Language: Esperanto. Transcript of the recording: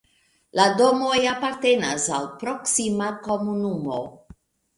La domoj apartenis al proksima komunumo.